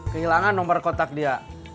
kehilangan nomor kotak dia